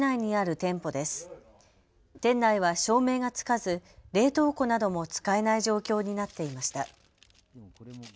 店内は照明がつかず冷凍庫なども使えない状況になっていました。